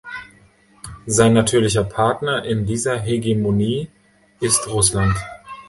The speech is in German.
Sein natürlicher Partner in dieser Hegemonie ist Russland.